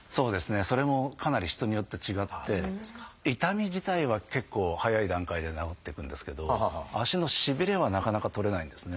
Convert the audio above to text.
それもかなり人によって違って痛み自体は結構早い段階で治っていくんですけど足のしびれはなかなか取れないんですね。